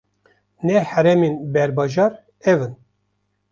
Neh heremên berbajar, ev in: